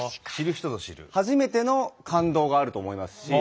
初めての感動があると思いますし。